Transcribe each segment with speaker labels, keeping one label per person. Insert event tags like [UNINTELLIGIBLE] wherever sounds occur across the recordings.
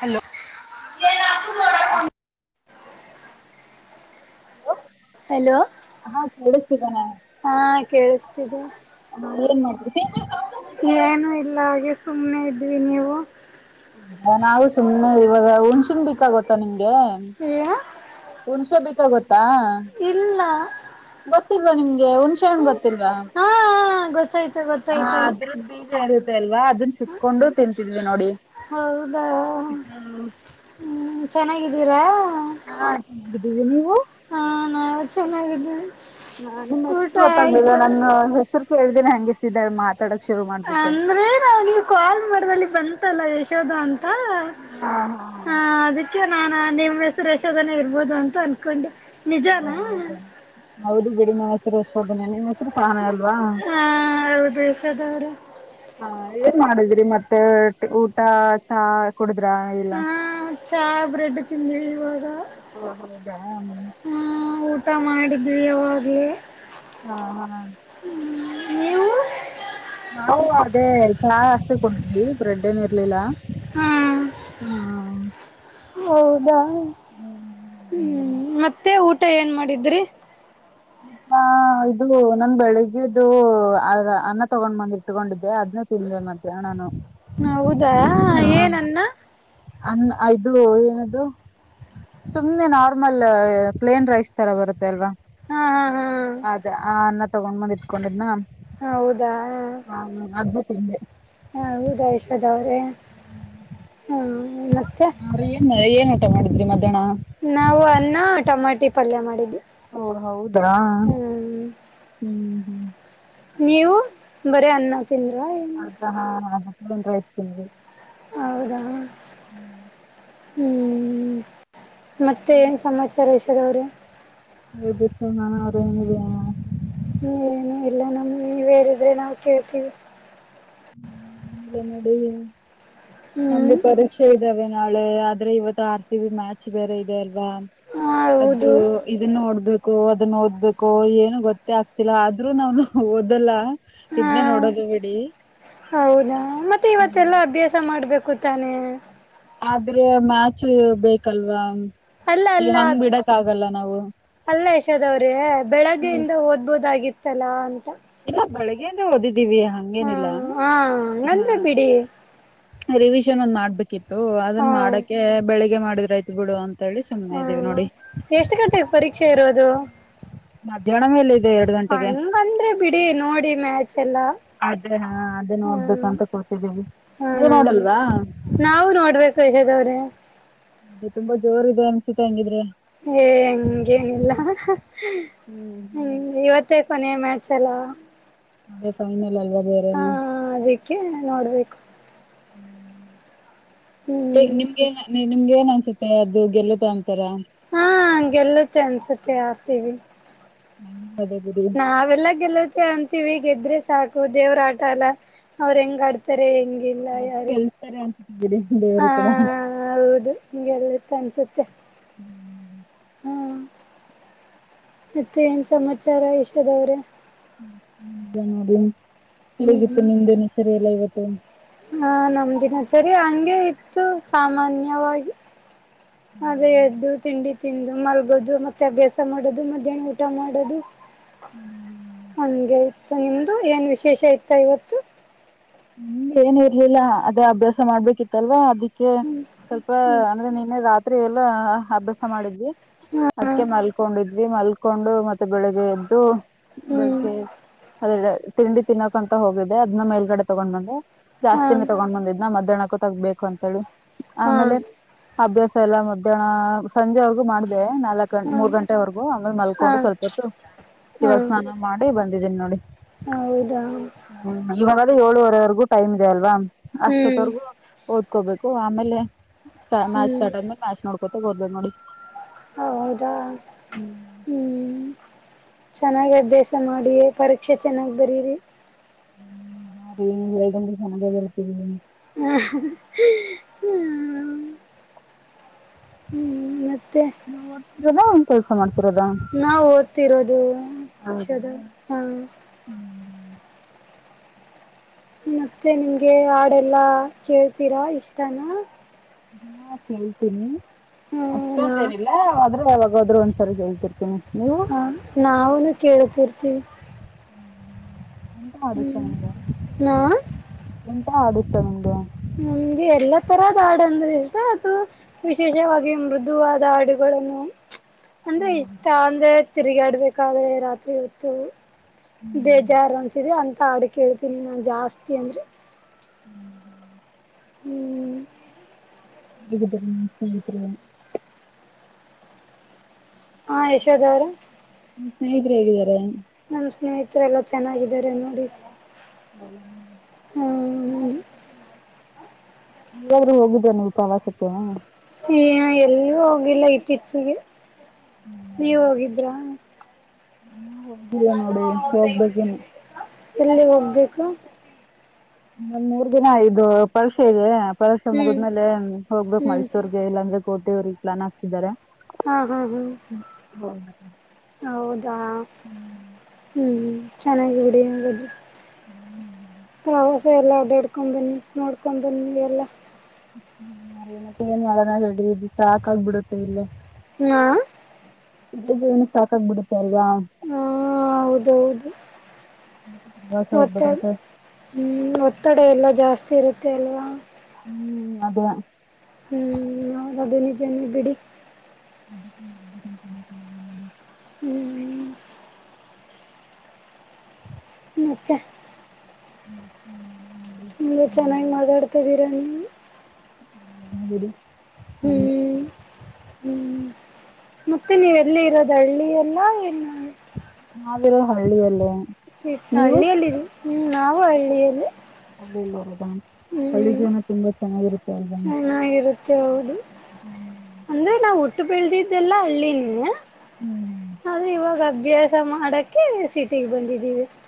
Speaker 1: Hello
Speaker 2: hello
Speaker 1: ಹಾ ಕೇಳಿಸ್ತಿದ್ದೇನೆ
Speaker 2: ಹಾ ಕೇಳಿಸ್ತಿದೆ
Speaker 1: [UNINTELLIGIBLE]
Speaker 2: ಏನುೂ ಇಲ್ಲ ಹಾಗೆ ಸುಮ್ಮ್ನೆ ಇದ್ವಿ ನೀವು
Speaker 1: ಹೌದಾ ನಾವು ಸುಮ್ನೆ ಇವಾಗ ಹುಣ್ಸಿನ್ ಬೇಕಾಗತ್ತಾ ನಿಮ್ಗೆ
Speaker 2: ಏ
Speaker 1: ಹುಣಸೆ ಬೇಕ ಗೊತ್ತಾ
Speaker 2: ಇಲ್ಲ
Speaker 1: ಗೊತ್ತಿಲ್ವಾ ನಿಮ್ಗೆ ಹುಣಸೆ ಹಣ ಗೊತ್ತಿಲ್ವಾ
Speaker 2: ಗಸ
Speaker 1: ಹ ಅದ್ರದ ಬೀಜ ಇೆ ಸರ್ವಾದು ಅನ್ನ ಸಿತ್ಕೊಂಡು ತಿಂತಿದ್ವಿ ನೋಡಿ
Speaker 2: ಹೌದಾ ಹ್ಮ್ ಚೆನ್ನಾಗಿದ್ದೀರಾ
Speaker 1: ಹಾ ಚೆನ್ನಾಗಿದ್ದ ನೀವು
Speaker 2: ಹಾ ನಾವು ಚೆನ್ನಾಗಿದ್ದೀವಿ
Speaker 1: ಹ ನಿ ಹೆ
Speaker 2: ಊಟ
Speaker 1: ಗೊತ್ತಾಗರ
Speaker 2: ಆಯ್ತು
Speaker 1: ನ ಹೆರು ಕೇಳ್ದಿನನ್ ಹಂಗೆಸಿದಳ ಮಾತ್
Speaker 2: ಅಂದ್ರೆ ನಾವಗ ಕಾಲ್ ಮದಲ್ಲಿ ಬಂತ ಲ್ಲ ಯಶೋ ಅಂತ
Speaker 1: ಹಾ ಹಾ
Speaker 2: ನಾನಾ ನಿಮ್ಮ್ ಹೆಸರು ಯಶೋಧನೆ ಇರ್ಬೋದು ಅಂತ ಅನ್ಕೊಂಡೆ
Speaker 1: ಓ
Speaker 2: ನಿಜಾನಾ
Speaker 1: ಹೌದಾ ಹೌದು ಬಿ ನ ರಸ ನಿಮ್ಮ ಹೆಸರು ಸಾನ ಅಲ್ವಾ
Speaker 2: ಚದರ
Speaker 1: ಹಾ ಏನ್ ಮಾಡಿದ್ರಿ ಮತ್ತೆ ಊಟ ಚಾ ಕುಡುದ್ರಾ ಇಲ್ಲ?
Speaker 2: ಹ್ಮ ಚಹ ಬ್ರೆಡ್ ತಿಿಂದಿಿ ಇವಾಗ
Speaker 1: ಓ ಹೌದಾ
Speaker 2: ಹ್ಮ ಊಟ ಮಾಡಿ ಡಿಗ್ರಿ ಹೋಗಿ
Speaker 1: ಹಾ ಹಾ
Speaker 2: ನೀವು
Speaker 1: ನಾವು ಅದೇ ಚಾ ಅಷ್ಟೆ ಕೊೊಂಡ್ವಿ ಬ್ರೆಡ್ ಏನ್ ಇರ್ಲಿಲ್ಲ
Speaker 2: ಹಾ
Speaker 1: ಹಾ ಹ
Speaker 2: ಹೌದಾ ಹ್ಮ್ ಮತ್ತೆ ಊ ಮತ್ತ ಏನ್ ಮಾಡಿದ್ರಿ
Speaker 1: ಇದು ನನ್ ಬೆಳಿಗ್ಗೆ ಅನ್ನ ತಗೊಂಡ್ ಬಂದ ಇಟ್ಕೊಂಡಿದ್ದೆ ಅದ್ನ್ನೇ ತಿಂದೆ ಮಧ್ಯಾಹ್ನನು
Speaker 2: ಹೌದಾ ಏನನ್ನ
Speaker 1: ಅನ್ ದು ಏನದು ಸುಮಮ್ಮನೆ ನಾರ್ಮಲ್ ಪ್ಲೇನ್ ರೈಸ್ ತರ ಬರುತ್ತೆ ಅಲ್ವಾ
Speaker 2: ಹಾ ಹಾ ಹಾ
Speaker 1: ಅದೇ ಆ ತಗೊಂಡ್ಂದ ಇಟ್ಕೊಂಡಿದ್
Speaker 2: ಹ ಹೌದಾ
Speaker 1: ಅದ್ನ ತಿಂದೆ.
Speaker 2: ಹ ಹೌದಾ ಎಷ್ಟದ ಅವ್ರೆ
Speaker 1: ಹ ಮಳೆ ಏನು ಮಾಡಿದ್ರಿ ಮತ್ತೆ
Speaker 2: ನಾವು ಅನ್ನ ಟಮಾಟಿ ಪಲ್ಯ ಮಾಡಿದ್ದು
Speaker 1: ಓ ಹೌದಾ ಹ್ಮ್ ಹ್ಮ್
Speaker 2: ನೀವು ಬರೀ ಅನ್ನ ತಿಂದ್ರಾ ಏನ್?
Speaker 1: ಅದಾ ಹಾ ಹ ಹ್ತೇ
Speaker 2: ಅವದ
Speaker 1: ಹ್ಮ್
Speaker 2: ಹ್ಮ್ ಮತ್ತೆ ಏನ್ ಸಮಾಚಾರ ಎಷ್ಟ [INAUDIBLE]
Speaker 1: [INAUDIBLE]
Speaker 2: ಹ್ಮ್ ಏನು ಇಲ್ಲ ನಮ್ ನೀವೇರಿದ್ರೆ ನಾವವು ಕೇಳ್ತೀವಿ
Speaker 1: ಎಲ್ಲನುಡನು ನಮ್ದ
Speaker 2: ಹ್ಮ್
Speaker 1: ಪರೀಕ್ಷೆ ಇದ್ದಾವವೆ ನಾಳೆ ಆದ್ರೆ ಇವತ್ತು ಆರ್ ಸಿ ಬಿ ಮ್ಯಾಚ್ ಬೇರೆ ಇದೆ ಅಲ್ ವಾ ಅದು
Speaker 2: ಹೌದು
Speaker 1: ಇದನ್ನು ಹೊಡ್ದ ಅದನ್ನ ಓದ್ಬೇಕು ಏನು ಗೊತ್ತೇ ಆಗ್ತಿಲ್ಲ ಆದ್ರೂ ನಾವ ಓದಲ್ಲ
Speaker 2: ಹಾ
Speaker 1: ಇದ್ದ ನೋಡದು ಬಿಡಿ
Speaker 2: ಹೌದಾ ಮತ್ತೆ ಇವತ್ತಲ್ಲಾ ಅಭ್ಯಾಸ ಮಾಡ ಮಾಡ್ಬೇಕು ತಾನೆ
Speaker 1: ಆದ್ರೆ ಮ್ಯಾಚು ಬೇಕಲ್ವಾ
Speaker 2: ಅಲ್ಲ
Speaker 1: ಈಗ
Speaker 2: ಅಲ್ಲ
Speaker 1: ಹಂಗ್ ಬಿಡಕ್ ಆಗಲ್ಲ ನಾವು
Speaker 2: ಅಲ್ಲ ಯಶೋದ್ ಅವ್ರೇ ಬೆಳಗ್ಗೆಯಿಂದ ಓದ್ಬೋದಾಗಿತ್ತು ಚಲಾಂ
Speaker 1: ಇ ಬೆಳಗ್ಗೆ ಇಂದ ಓದಿ [UNINTELLIGIBLE]
Speaker 2: ಹಾ
Speaker 1: ಹಂಗೇನಿಲ್ಲ
Speaker 2: ಹಾ
Speaker 1: ಹಾ
Speaker 2: ಹಂಗಂದ್ರೆ ಬಿಡಿ
Speaker 1: ರಿವಿಷನ್ ಒಂದ್ ಮಾಡ್ಬಿ ಕಿತ್ತು
Speaker 2: ಹಾ
Speaker 1: ಅದನ್ನ ಮಾಡಕ್ಕೆೆ ಬೆಳಿಗ್ಗೆ ಮಾಡಿದ ರೈತಗಳು ಅಂತ್
Speaker 2: ಹ್ಮ ಎಷ್ಟು ಗಂಟೆಗೆ ಪರೀಕ್ಷೆ ಇರೋದು ಹ್ಮ
Speaker 1: ಮಧ್ಯಾಹ್ನ ಮೇಲೆ ಇದೆ ಎರಡು ಗಂಟೆಗೆ
Speaker 2: ಹಂಗಂದ್ರೆ ಬಿಡಿ ನೋಡಿ ದಿ ಮಚ್ ಚಲ್ಲಾ
Speaker 1: ಅದೇ ಹಾ ಅದೇ
Speaker 2: ಹ್ಮ್
Speaker 1: ನೋಡ್ಬೇಕಂತ ಕೂತಿದ್ದೀವಿ ನೀವು
Speaker 2: ಹ್ಮ
Speaker 1: ನೋಡಲ್ವಾ
Speaker 2: ನಾವು ನೋಡ್ಬೇಕು ಯಶೋದಾವ್ರೆ
Speaker 1: ಅದು ತುಂಬಾ ಜೋರ್ ಇದೆ ಅನ್ಸತ್ತೆ ಹಂಗಿದ್ರೆ
Speaker 2: ಏ ಹಂಗೇನಿಲ್ಲ ಹ
Speaker 1: ಹ್ಮ್
Speaker 2: ಇವತ್ತ ಕೊನೆ ಮ್ಯಾಚ್ ಎಲ್ಲ
Speaker 1: ಅದೇ ಸುಮ್ನ್
Speaker 2: ಹಾ ಅದಕ್ಕೆ ನೋಡ್ಬೇಕು
Speaker 1: ಹ್ಮ್
Speaker 2: ಹ್ಮ್
Speaker 1: ನಿಮ್ಗೆ ನು ನಿಂ ಏನ್ ಅನ್ಸುತ್ತೆ ಅದು ಗೆಲ್ಲತಾ ಅಂತಾರ
Speaker 2: ಹಾ ಗೆಲ್ಲತ್ತೆ ಅನ್ಸತ್ತೆ ಆಸೀವಿ
Speaker 1: ಹ್ಮ್
Speaker 2: ನಾವೆಲ್ಲ ಗೆಲ್ಲೋದ್ ಅಂತಿವವಿ ಗೆದ್ರೆ ಸಾಕು ದೇವ್ರ ಆಟ ಅಲ್ಲ ಅವ್ರು ಹೆಂಗ್ ಆಡ್ತಾರೆ ಹೆಂಗೇ ಲ್ಲ
Speaker 1: ಆದ್ರೂ
Speaker 2: ಯಾರ
Speaker 1: ಗೆಲ್ಸ್ತಾರೆ ಅನ್ಸುತ್ತೆ ಬಿಡಿ
Speaker 2: ಹ
Speaker 1: ದೇವರು ಕೂಡ
Speaker 2: ಹೌದು ಹಗೆ [INAUDIBLE] ತನಿಸುತ್ತೇ
Speaker 1: ಹ್ಮ್.
Speaker 2: ಹ್ಮ ಮತ್ತೆ ಏನ್ ಸಮಾಚಾರ ಯಶೋಧವ್ರೆ
Speaker 1: ಹ್ಮ ಈಗ ನೋಡಿ ಹೇಗಿತು ನಿಮ್ ದಿನಚರಿಯಲ್ಲ ಇವತ್ತು ಹ
Speaker 2: ಹಾ ನಮ ದಿನಾಚರಿ ಹಂಗೆ ಇತ್ತು ಸಾಮಾನ್ಯವಾಗಿ
Speaker 1: ಹೌದಾ
Speaker 2: ಅದೇ ಎದ್ದು ತಿಂಡಿ ತಿಂದು ಮಲಗೋದು ಮತ್ತೆ ಅಭ್ಯಾಸ ಮಾಡೋದು ಮಧ್ಯಾಹನ ಊಟ ಮಾಡೋದು
Speaker 1: ಹ್ಮ್
Speaker 2: ಅಂಗೇ ನಿಮ್ದು ಏನ್ ವಿಶೇಷ ಇತ್ತ ಇವತ್ತು
Speaker 1: ಹ್ಮ ಏನ್ ಇರ್ಲಿಲ್ಲ ಅದೇ ಅಭ್ಯಾಸ ಮಾಡ್ಬೇಕಿತ್ತಲ್ವಾ ಅದಿ ಸ್ವಲ್ಪ ಅಂದ್ರೆ ನಿನ್ನೆ ರಾತ್ರಿ ಎಲ್ಲಾ ಅಭ್ಯಾಸ ಮಾಡಿದ್ವಿ
Speaker 2: ಹಾ
Speaker 1: ಅದಿಕೆ ಮಲ್ಕೊಂಡಿದ್ದೆ ಮಲ್ಕೊಂಡು ಮತ್ತು ಮತ್ತ ಬೆಳಗ್ಗೆ ಎದ್ದು
Speaker 2: ಹ್ಮ್
Speaker 1: ಬೆಳಗ್ಗೆ ಅದೆ ತಿಂಡಿ ತಿನ್ನೋಕಂತ ಹೋಗಿದೆ ಅದ್ ಮೇಲ್ಗಡೆ ತೊಗೊಂಡ ಬಂದೇ
Speaker 2: ಹಾ
Speaker 1: ಜಾಸ್ತಿನೇ ತಗೊಂಡ್ ಬಂದಿದ್ನ ಮಧ್ಯಾಹ್ನ ಅಕ್ಕು ತಗ್ಬೇಕು ಅಂತಳು
Speaker 2: ಹಾ
Speaker 1: ಆಮೇಲೆ ಅಭ್ಯಾಸ ಎಲ್ಲ ಮೊದಲ ಸಂಜೆ ಔಟ್ ಮಾಡ್ದ ನಾಲ್ಕ್ ಗ
Speaker 2: ಹಾ
Speaker 1: ಮೂರ್ ಗಂಟೆವರೆಗು ಹಂಗ
Speaker 2: ಹಾ
Speaker 1: ಮಲ್ಕೊಂಡು ಸ್ವಲ್ಪತ್ತು
Speaker 2: ಹಾ
Speaker 1: ಇವಾಗ ಸ್ನಾನ ಮಾಡಿ ಬಂದಿದ್ದೀನಿ ನೋಡಿ
Speaker 2: ಹೌದಾ
Speaker 1: ಏಳುವರೆವರೆಗೂ ಟೈಮ್ ಇದೆಲ್ವಾ
Speaker 2: ಹ್ಮ್
Speaker 1: ಅಸ್ಟೊಥವರ್ಗು ಓದ್ಕೋಬೇಕು ಆಮೇಲೆ ಮ್ಯಾಚ್
Speaker 2: ಹ್ಮ್
Speaker 1: ಸ್ಟಾರ್ಟ್ ಆದ್ಮೇಲೆ ಮ್ಯಾಚ್ ನೋಡ್ಬೇಕು ಬಸ್ ಗೇ ಹೋದ್ಲು ನೋಡಿ
Speaker 2: ಹೌದಾ
Speaker 1: ಹ್ಮ್
Speaker 2: ಹ್ಮ ಚೆನ್ನಾಗಿ ಅಭ್ಯಾಸ ಮಾಡಿೇ ಪರೀಕ್ಷೆ ಚೆನ್ನಾಗ್ ಬರೀರಿ
Speaker 1: ಹ ಅರಿ ನೀವ್ ಹೇಳ್ಧದಂಗೆ ಚನ್ನಾಗಿ ಬರೀತಿನಿ
Speaker 2: ಹ ಹ್ಮ ಹ್ಮ ಮತ್ತೆ
Speaker 1: ನದ [INAUDIBLE] ಕೌ [INAUDIBLE]
Speaker 2: ನಾವು ಓದ್ತಿರೋದು
Speaker 1: ಹಾ
Speaker 2: ಷದ ಹಾ ಮತ್ತೆ ನಿಮ್ಗೆ ಹಾಡೆಲ್ಲಾ ಕೇಳ್ತೀರಾ ಇಷ್ಟಾನ
Speaker 1: ನಾ ಕೇಳ್ತೀನಿ
Speaker 2: ಹ್ಮ ನಾ
Speaker 1: ಅಷ್ಟೊಂದ್ ಏನಿಲ್ಲ ಆದ್ರೂ ಆವಾಗ ಹೋದ್ರೆ ಒಂದ್ಸರಿ ಹೇಳ್ತಿರ್ತಿನಿ
Speaker 2: ಹ ನಾವುನು ಕೇಳಿದ್ ತಿರ್ಚಿ
Speaker 1: ಎಂತ ಮಾಡಿತ್ತು ನಿಮ್ಗೆ
Speaker 2: ನಾ
Speaker 1: ಎಂತ ಆಡಿತ್ತು ನಿಮ್ಗೆ
Speaker 2: ನಮ್ಗೆ ಎಲ್ಲ ತರದ್ ಹಾಡು ಅಂದ್ರೆ ಇಷ್ಟ ಅದು ವಿಶೇಷವಾಗಿ ಮೃದುವಾದ ಹಾಡುಗಳನ್ನು ಅಂದ್ರೆ
Speaker 1: ಹ್ಮ್
Speaker 2: ಇಷ್ಟ ಅಂದೆ ತಿರುಗಾಡ್ಬೇಕಾದ್ರೆ ರಾತ್ರಿ ಹೊತ್ತು
Speaker 1: ಹ್ಮ್
Speaker 2: ಬೇಜಾರು ಅನ್ಸಿದೆ ಅನ್ ತಾಡು ಕೇಳ್ತೀನಿ ನಾನು ಜಾಸ್ತಿ ಅಂದರೆ
Speaker 1: ಹ್ಮ್ ಹ್ಮ್ [INAUDIBLE]
Speaker 2: ಹ್ಮ್
Speaker 1: ಇಗದೆ ಸ್ನೇಹಿತರೇ
Speaker 2: ಹಾ ಯಶೋಧ ಅವ್ರೆ
Speaker 1: ಸ್ನೇಹಿತರು ಹೇಗಿದ್ದಾರೆ
Speaker 2: ನಮ್ ಸ್ನೇಹಿ ಈತ್ರ ಎಲ್ಲ ಚೆನ್ನಾಗಿದ್ದಾರೆ ನೋಡಿ
Speaker 1: ಹ್ಮ
Speaker 2: ಹ್ಮ್
Speaker 1: ನೀವಾದ್ರೂ ಹೋಗಿದ್ರ ನೀವು ಪ್ರವಾಸಕ್ಕೆ
Speaker 2: ಈ ಎಲ್ಲೂ ಹೋಗಿಲ್ಲ ಇತ್ತೀಚೆಗೆ ನೀವ್ ಹೋಗಿದ್ರಾ
Speaker 1: ಹ ಹೋಗಿಲ್ಲ ನೋಡೇ ಹೋಗ್ಬೇಕಿನ್ನು
Speaker 2: ಎಲ್ಲಿ ಹೋಗ್ಬೇಕು
Speaker 1: ನನ್ ಮೂರ್ ದಿನ ಇದು ಪರೀಕ್ಷೆ ಇದೆ ಪರೀಕ್ಷೆ
Speaker 2: ಹ್ಮ್
Speaker 1: ಮುಗಿದ್ಮೇಲೆ ಹೋಗ್ಬೇಕು
Speaker 2: ಹ್ಮ್
Speaker 1: ಮೈಸೂರ್ಗೆ ಇಲ್ಲಾಂದ್ರೆ ಕೋಟೆವ್ರರಿಗೆ ಪ್ಲಾನ್ ಹಾಕ್ತಿದಿದ್ದಾರೆ
Speaker 2: ಹಾ ಹಾ ಹ್ಮ್ ಹೌದಾ ಹ್ಮ್ ಹ್ಮ್ ಚೆನ್ನಾಗಿ ಬಿಡಿ ಹಂಗಾದ್ರೆ [UNINTELLIGIBLE] ಹ ಸೋ ಎಲ್ಲ ಓಡಾಡ್ಕೊಂಡ್ ಬನ್ನಿ ನೋಡ್ಕೊಂಡು ಬನ್ನಿ ಎಲ್ಲ
Speaker 1: ಹ್ಮ ಮರಿ ಮತ್ತೆ ಏನ್ ಮಾಡನಾಗಡಿ ಸಾಕಾಗಬಿಡುತ್ತೆ ಇಲ್ಲೆ
Speaker 2: ಹ್ಮ
Speaker 1: ಇಲ್ಲಿ ಜೀವ್ನ ಸಾಕಾಗ್ಬಿಡುತ್ತೆ ಅಲ್ವಾ
Speaker 2: ಹಾ ಹೌದೌದು
Speaker 1: ಪ್ರವಾಸ ಹೋಗ್ಬೇಕಂತ
Speaker 2: ಹ್ಮ್ ಒತ್ತಡ ಎಲ್ಲ ಜಾಸ್ತಿ ಜಾಸ್ತಿ ಇರುತ್ತೆ ಅಲ್ವಾ
Speaker 1: ಹ್ಮ್ ಅದ
Speaker 2: ಹ್ಮ್ ನ ಅದು ನಿಜನೇ ಬಿಡಿ
Speaker 1: ಅ
Speaker 2: ಹ್ಮ್ ್ಮ ಮಚ್ಚ
Speaker 1: ಹ್ಮ್ ಹ್ಮ್
Speaker 2: ತುಂಬಾ ಚೆನ್ನಾಗ್ ಮಾತಾಡ್ತಾ ಇದಿ ಇದನ್ನ
Speaker 1: ಹ ಬಿಡ ಹ
Speaker 2: ಹ್ಮ್ ಹ್ಮ್ ಮತ್ತೆ ನೀವೆಲ್ಲಿ ಇರೋದ ಹಳ್ಳಿ ಎಲ್ಲ ಏನು
Speaker 1: ನಾವಿರೋ ಹಳ್ಳಿಯಲ್ಲೇ
Speaker 2: ಸಟ್
Speaker 1: ನೀವು
Speaker 2: ಹಳ್ಳಿಯಲ್ಲಿ ಹ್ಮ ನಾವು ಹಳ್ಳಿಯಲ್ಲಿ
Speaker 1: ಹಮ್ಮೇ ಹಳ್ಳಿ
Speaker 2: ಹ್ಮ್
Speaker 1: ಜೀವನ ತುಂಬಾ ಚೆನ್ನಾಗಿರುತ್ತೆ ಅಲ್ವಾ
Speaker 2: ಚೆನ್ನಾಗಿರುತ್ತೆ ಚೌದು
Speaker 1: ಹ್ಮ್
Speaker 2: ಅಂದ್ರೆ ನಾವುಟ್ಟ ಬೆಳೆದಿದ್ದೆಲ್ಲ ಹಳ್ಳಿ ನೀ
Speaker 1: ಹ್ಮ್
Speaker 2: ಆದ್ರೆ ಇವಾಗ ಅಭ್ಯಾಸ ಮಾಡಕ್ಕೆೆ ಸಿಟಿಿಗೆ ಬಂದಿದ್ದ್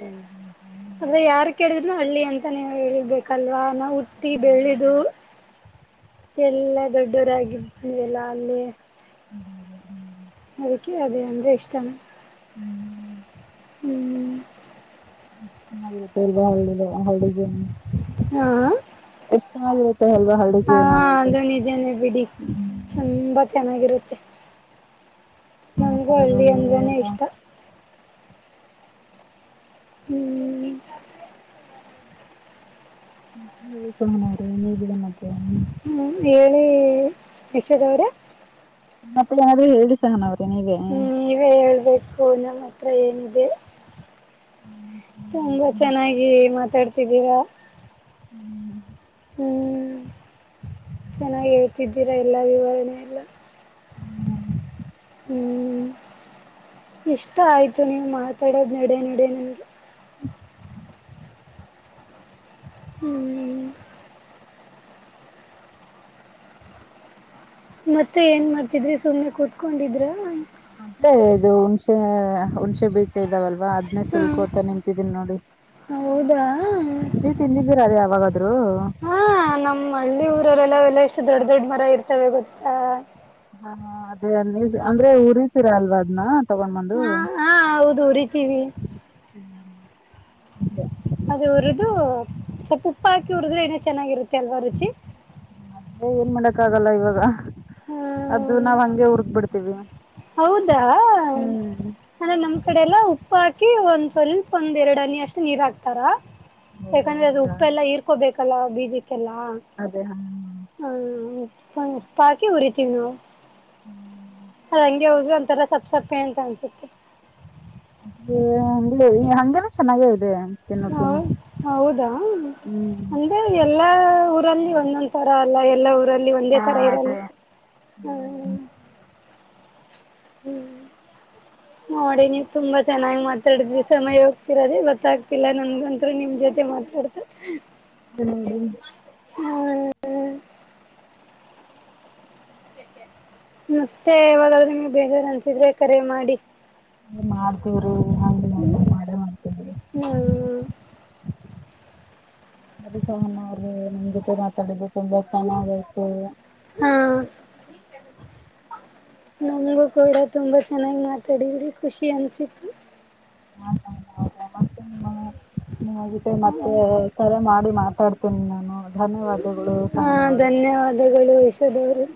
Speaker 1: ಹ್ಮ ಹ
Speaker 2: ಅ್ರ ಯಾರ್ ಕೇಳಿದ್ನನು ಹಳ್ಳಿ ಅಂತ ನೀವು ಹೇಳ್ಬೇಕಲ್ವಾ ಅನ ಹುಟ್ಟಿ ಬೆಳೆದು ಎಲ್ಲಾ ದೊಡ್ಡವರಾಗಿದಲ್ಲ ಅಲ್ಲಿ
Speaker 1: ಹ್ಮ ಹ್ಮ್ [UNINTELLIGIBLE]
Speaker 2: ಮದಕ ಅದ ಅಂದ ಇಷ್ಟಮ ಹ್ಮ್
Speaker 1: ಹ ಗ [UNINTELLIGIBLE] ಇಲ್ವಾ ಹಳ್ಳ ಹಳ್ಳ
Speaker 2: ಹಾ
Speaker 1: ಸಲ್
Speaker 2: ಹಾ ಅದು ನಿಜಾನೇ ಬಿಡಿ ತುಂಬಾ ಚೆನ್ನಾಗಿರುತ್ತೆ ನಮಗೂ ಹಳ್ಳಿ
Speaker 1: ಸಮಾಚಾರಗಳು
Speaker 2: ಅಂದ್ರನೇ
Speaker 1: ಎಲ್ಲ
Speaker 2: ಇಷ್ಟ ಹ್ಮ್
Speaker 1: ಹೇಳಿಕಣ [UNINTELLIGIBLE] ನೋ್ರಿ ಏನ್ ಹೇಗಿದೆನ್ನ
Speaker 2: ಹ್ಮ್ ಹೇಳಿ ವಿಷದೌರ
Speaker 1: ಮತ್ತೆ ಯನಾದ್ೂ ಹೇಳಿ ಸಹ ನಾವ್
Speaker 2: ಹ್ಮ್ ನೀವೇ ಹೇಳ್ಬೇಕು ನಮ್ಮತ್ತ ತ್ರೈಂದು
Speaker 1: ಹ್ಮ್
Speaker 2: ತುಂಬಾ ಚೆನ್ನಾಗಿ ಮಾತಾಡ್ತಿದ್ದೀರಾ
Speaker 1: ಹ್ಮ್
Speaker 2: ಹ್ಮ್ ಚೆನ್ನಾಗಿ ಹೇಳ್ತಿದ್ದೀರಾ ಎಲ್ಲಾ ವಿವರಣೆ ಎಲ್ಲ
Speaker 1: ಹ್ಮ್
Speaker 2: ಹ್ಮ್ ಇಷ್ಟ ಆಯ್ತು ನೀವು ಮಾತಾಡೋದ್ ನಡೆ ನಡೆ ನನ್ಗೆ ಹ್ಮ ಮತ್ತೆ ಏನ್ ಮಾಡ್ತಿದ್ರಿ ಸುಮ್ನೆ ಕೂತ್ಕೊಂಡಿದ್ರ
Speaker 1: ಮೆ ಇದು ಹುಣಸೆ ಹಣ ಬ ಇದಾವಲ್ವಾ ಅದನ್ನೇ
Speaker 2: ಹ
Speaker 1: ಶುಲ್ಕೋತ ನಿಂತಿದೀನಿ [INAUDIBLE] ನೋಡಿ
Speaker 2: ಹೌದಾ
Speaker 1: ನೀ ತಿಂದಿದ್ದೀರದ ಹ [UNINTELLIGIBLE]
Speaker 2: ಹಾ ನಮ್ಮ್ ಹಳ್ಳಿ ಊರಲ್ಲೆಲ್ಲ ಎೆಲ್ಲ ಇ ಅ ದೊಡ್ಡ ದೊಡ್ಡ ಮರ ಇರ್ತವೆ ಗೊತ್ತಾ
Speaker 1: ಹ ಅದೇ ಅ ನೀ ಅಂದ್ರೆ ಉರಸೀರಾ ಅಲ್ವಾ ಅದ್ನ ತಗೊಂಡ್ ಬಂದು
Speaker 2: ದೋರಿತೀವಿ
Speaker 1: ಹ್ಮ್ ಅದ [INAUDIBLE]
Speaker 2: ಅದ ಉರಿದು ಸ್ವಲ್ಪ ಉಪ್ಪ ಹಾಕಿ ಉರಿದ್ರೆ ಏನೋ ಚೆನ್ನಾಗಿರುತ್ತೆ ಕೆಲ್ವರುಚಿ
Speaker 1: ಮತ್ತೆ ಏನ್ ಮಾಡಕ್ ಆಗಲ್ಲ ಇವಾಗ ಅದು
Speaker 2: ಹ್ಮ
Speaker 1: ನಾವ್ ಹಂಗೆ ಉರ್ಗ್ ಬಿಿಡ್ತವಿ ತ
Speaker 2: ಹೌದಾ ಅಂದೆ ನಮ್ ಕಡೆ ಎಲ್ಲ ಉಪ್ಪ ಿ ಒಂದ್ ಸ್ವಲ್ಪ ಒಂದ್ ಎರಡು ಹನಿ ಅಷ್ಟು ನೀರ್ ಹಾಕ್ತಾರ
Speaker 1: ಓಹೋ
Speaker 2: ಯಾಕಂದ್ರೆ ಅದು
Speaker 1: ಹೌದಾ
Speaker 2: ಉಪ್ಪ ಎಲ್ಲಾ ಇರ್ಕೋಬೇಕು ಕಲ ಬಿಜ ಕೆಲ್ಲ
Speaker 1: ಅದೇ ಹ
Speaker 2: ಪಾಕಿ ಕುರಿತನ
Speaker 1: ಹ್ಮ್
Speaker 2: ಅದ ಹಂಗೆ ಹ್ರರು ಒಂತರ ಸಪ್ಪ ಸಪ್ಪೆ ಅಂತ ಅನ್ಸುತ್ತೆ
Speaker 1: ಅಂಗ ಹೇನ ಚೆನ್ನಾಗೇ ಇದೆ
Speaker 2: ಹ
Speaker 1: ತಿನ್ನೋಕೇನು
Speaker 2: ಹೌದಾ
Speaker 1: ಹ್ಮ್
Speaker 2: ಅಂದ್ರೆ ಎಲ್ಲಾಊ ಊರಲ್ಲಿ ಒಂದೊಂದ ತರ ಅಲ್ಲ ಎಲ್ಲ ಊರಲ್ಲಿ ಅಲ್ಲಿ ಒಂದೇ
Speaker 1: ಹಾ
Speaker 2: ತರ ಇರಲ್ಲ
Speaker 1: ಅದೇ
Speaker 2: ಹ್ಮ ಹ್ಮ್ ನೋಡಿ ನೀವು್ ತುಂಬಾ ಚೆನ್ನಾಗಿ್ ಮಾತಾಡಿದ್ರಿ ಸಮಯ ಹೋಗ್ತಿೀರದೆ ಗೊತ್ತಾಗ್ತಿಲ್ಲ ನನ್ಗಂರುೂ ನಿಮ್ ಜೊತೆ ಮಾತಾಡ್ತ
Speaker 1: ಹದ
Speaker 2: ಹ್ಮ ಮತ್ತೆವಲಾದ್ರಮ ಬೇಜಾರ ಅನ್ಸಿದ್ರೆ ಕರೆ ಮಾಡಿ
Speaker 1: ಮಾಡ್ತವ್ರಿ ಹ ಮಾಡೇ ಮಾಡ್ತೇವ್ರಿ ಅದ ಸನ್ ಅವ್ರೆ ನಿಮ್ ಜೊತೆ ಮಾತಾಡಿದ ತುಂಬಾ ಚೆನ್ನಾಗಯತು
Speaker 2: ಹಾ ನಮಗೂ ಕೂಡ ತುಂಬಾ ಚೆನ್ನಾಗಿ್ ಮಾತಾಡಿದ್ರಿ ಖುಷಿ ಅನ್ಸಿತ್ತು
Speaker 1: ಹ ಹೆ ಮತ್ತೆ ಕರೆ ಮಾಡಿ ಮಾತಾಡ್ ಾನ
Speaker 2: ಹಾ ಧನ್ಯವಾದಗಳು ವಿಷದವರು